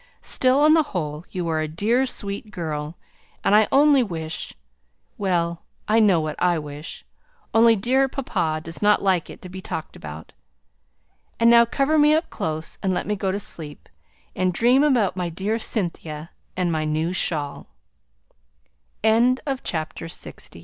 Still, on the whole, you are a dear, sweet girl, and I only wish well, I know what I wish; only dear papa does not like it to be talked about. And now cover me up close, and let me go to sleep, and dream about my dear Cynthia and my new shawl!" CONCLUDING REMARKS: [By t